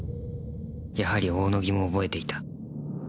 やはり大野木も覚えていた。